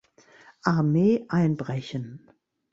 Armee einbrechen.